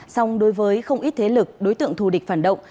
song đối với không ít thế lực đối tượng thù địch phản động